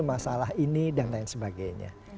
masalah ini dan lain sebagainya